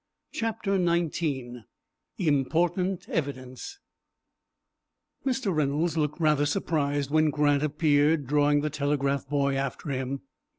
CHAPTER XIX IMPORTANT EVIDENCE Mr. Reynolds looked rather surprised when Grant appeared, drawing the telegraph boy after him.